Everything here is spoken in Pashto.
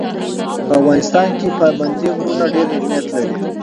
په افغانستان کې پابندی غرونه ډېر اهمیت لري.